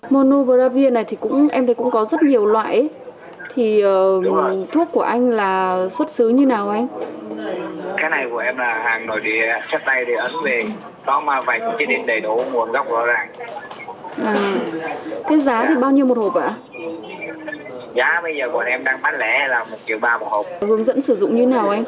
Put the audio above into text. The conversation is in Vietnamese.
monubiravir này em thấy cũng có rất nhiều loại thuốc của anh là xuất xứ như nào anh